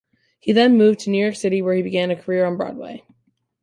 He then moved to New York City where he began a career on Broadway.